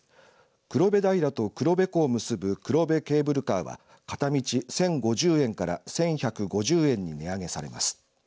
黒部平と黒部湖を結ぶ黒部ケーブルカーは片道１０５０円から１１５０円に値上げされます。